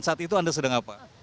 saat itu anda sedang apa